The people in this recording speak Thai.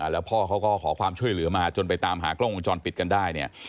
แล้วพ่อเขาก็ขอความช่วยเหลือมาจนไปตามหากล้องวงจรปิดกันได้เนี่ย